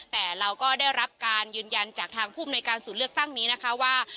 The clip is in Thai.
แต่เราก็ได้รับการยืนยันจากทางภูมิในการศูนย์เลือกตั้งนี้นะคะว่า